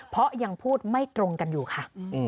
เพราะยังพูดไม่ตรงกันอยู่ค่ะ